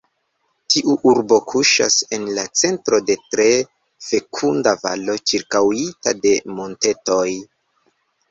Tiu urbo kuŝas en la centro de tre fekunda valo ĉirkaŭita de montetoj.